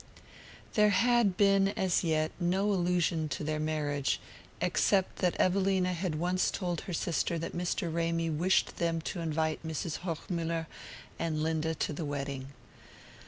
There had been, as yet, no allusion to their marriage, except that Evelina had once told her sister that Mr. Ramy wished them to invite Mrs. Hochmuller and Linda to the wedding.